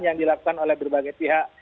yang dilakukan oleh berbagai pihak